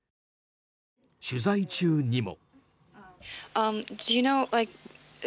取材中にも。